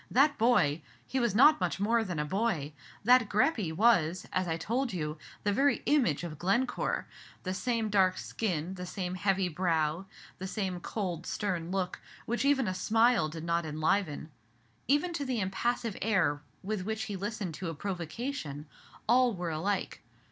"That boy he was not much more than boy that Greppi was, as I told you, the very image of Glencore. The same dark skin, the same heavy brow, the same cold, stern look, which even a smile did not enliven; even to the impassive air with which he listened to a provocation, all were alike.